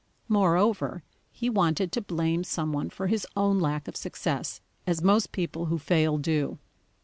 Moreover, he wanted to blame some one for his own lack of success, as most people who fail do.